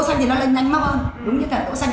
xanh thì nó là nhanh mốc hơn ừ đúng như thế này đỗ xanh